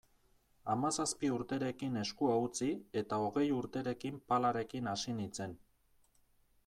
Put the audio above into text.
Hamazazpi urterekin eskua utzi eta hogei urterekin palarekin hasi nintzen.